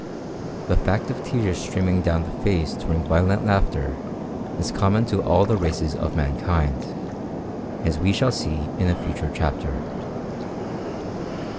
The fact of tears streaming down the face during violent laughter is common to all the races of mankind, as we shall see in a future chapter.